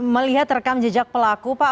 melihat rekam jejak pelaku pak